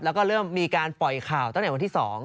แล้วก็เริ่มมีการปล่อยข่าวตั้งแต่วันที่๒